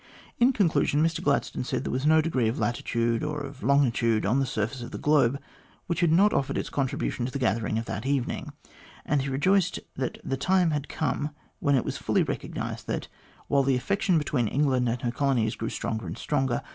In conclusion, Mr Gladstone said there was no degree of latitude or of longitude on the surface of the globe which had not offered its contribution to the gathering of that evening, and he rejoiced that the time had come when it was fully recognised that, while the affection between England and her colonies grew stronger and stronger